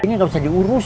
ini nggak bisa diurus